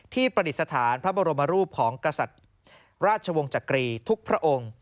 ประดิษฐานพระบรมรูปของกษัตริย์ราชวงศ์จักรีทุกพระองค์